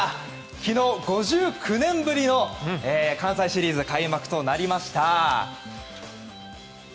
昨日、５９年ぶりの関西シリーズが開幕しました。